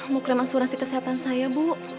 mau klaim asuransi kesehatan saya bu